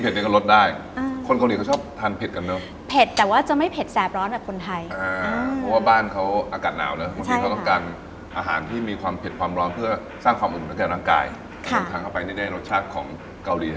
เพื่อนักกายทางไปที่ได้รสชาติของเกาหลีแท้เลยจริงครับผม